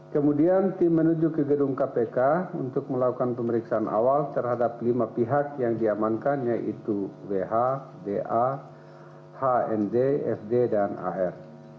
kemudian tim menuju ke gedung kpk untuk melakukan pemeriksaan awal terhadap lima pihak yang diamankan yaitu wh da hnd fd dan ar